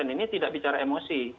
ini tidak bicara emosi